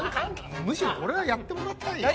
むしろ俺はやってもらいたいよ。